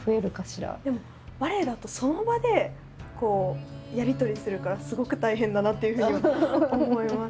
でもバレエだとその場でやり取りするからすごく大変だなっていうふうには思います。